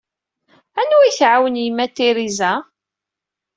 Anwa ay tɛawen Yemma Teresa?